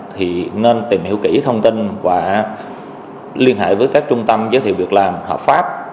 thì nên tìm hiểu kỹ thông tin và liên hệ với các trung tâm giới thiệu việc làm hợp pháp